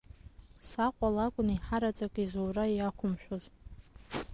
Саҟәа лакәын еиҳараӡак изура иақәымшәоз.